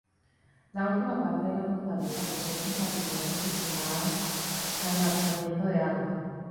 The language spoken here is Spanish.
La última parte de la fortaleza posee compartimentos destinadas al almacenamiento de agua.